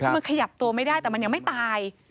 คือมันขยับตัวไม่ได้แต่มันยังไม่ตาย